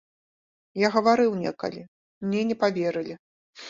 Я гаварыў некалі, мне не паверылі.